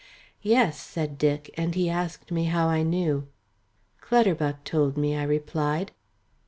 "Yes," said Dick, and he asked me how I knew. "Clutterbuck told me," I replied.